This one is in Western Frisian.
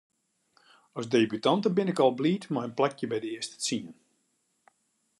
As debutante bin ik al bliid mei in plakje by de earste tsien.